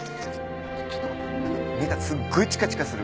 ちょっと待ってなんか目がすっごいチカチカする。